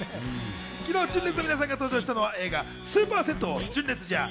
昨日、純烈の皆さんが登場したのは映画『スーパー戦闘純烈ジャー